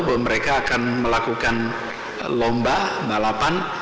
bahwa mereka akan melakukan lomba balapan